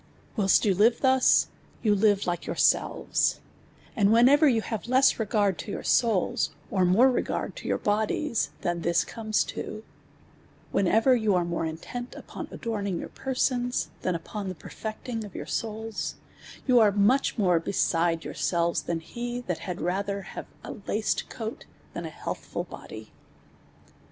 Whilst you live thus, \un live like \onrsel\es; ;iii(l whenever yon have less re:; ard to your siads, or more re«»ard to your bodies, than this crimes to ; whenever y«>u are nn)re intent upon adorninj; your persons, than jipon perieclini;' olvonr souls, yon are much ntor*' be side yourselves, tlain he, (liat had rather have a laced coat than an heat(hrul body.